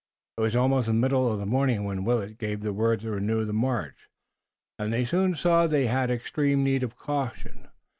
It was almost the middle of the morning when Willet gave the word to renew the march, and they soon saw they had extreme need of caution.